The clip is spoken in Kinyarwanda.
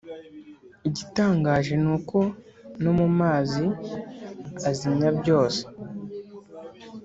Igitangaje ni uko no mu mazi azimya byose,